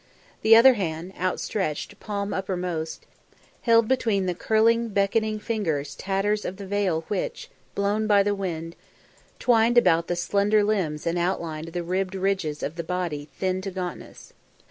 The other hand, outstretched, palm uppermost, held between the curling beckoning fingers tatters of the veil which, blown by the wind, twined about the slender limbs and outlined the ribbed ridges of the body thin to gauntness.